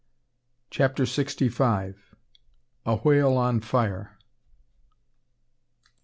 CHAPTER SIXTY FIVE. A WHALE ON FIRE!